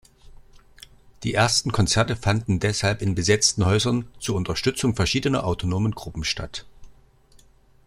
Die ersten Konzerte fanden deshalb in besetzten Häusern zur Unterstützung verschiedener autonomer Gruppen statt.